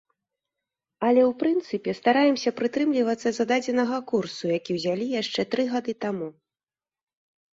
Але ў прынцыпе, стараемся прытрымлівацца зададзенага курсу, які ўзялі яшчэ тры гады таму.